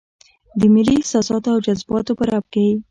د ملي احساساتو او جذباتو په رپ کې.